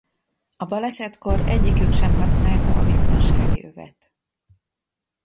A balesetkor egyikük sem használta a biztonsági övet.